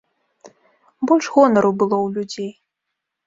Больш гонару было ў людзей.